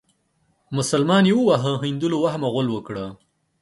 مسلمان يې واهه هندو له وهمه غول وکړه.